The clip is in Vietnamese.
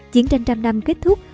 chiến tranh trăm năm kết thúc